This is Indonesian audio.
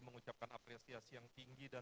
mengucapkan apresiasi yang tinggi dan